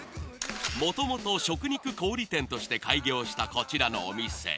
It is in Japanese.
もともと食肉小売り店として開業したこちらのお店。